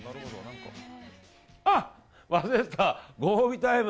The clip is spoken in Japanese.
あ、忘れてたご褒美タイム。